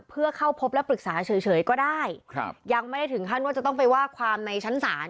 เพื่อเข้าพบและปรึกษาเฉยก็ได้ครับยังไม่ได้ถึงขั้นว่าจะต้องไปว่าความในชั้นศาล